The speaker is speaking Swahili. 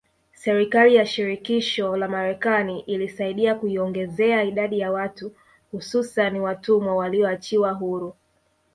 Serikali ya shirikisho la marekani ilisaidia kuiongezea idadi ya watu hususani watumwa walioachiwa huru